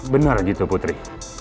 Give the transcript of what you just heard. bener gitu putri